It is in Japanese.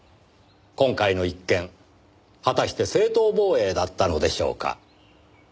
今回の一件果たして正当防衛だったのでしょうか？